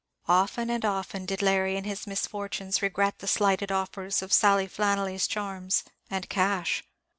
Often and often did Larry, in his misfortunes, regret the slighted offers of Sally Flannelly's charms and cash.